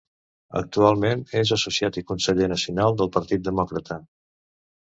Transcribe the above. Actualment és associat i conseller nacional del Partit Demòcrata.